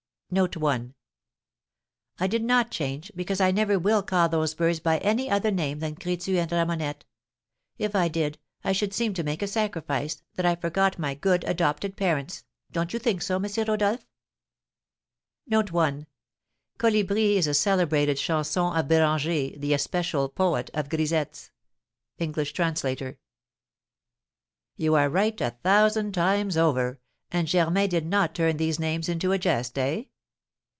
I did not change, because I never will call those birds by any other name than Crétu and Ramonette; if I did, I should seem to make a sacrifice, that I forgot my good, adopted parents, don't you think so, M. Rodolph?" Colibri is a celebrated chanson of Béranger, the especial poet of grisettes. English Translator. "You are right a thousand times over. And Germain did not turn these names into a jest, eh?"